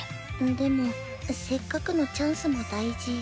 でもせっかくのチャンスも大事。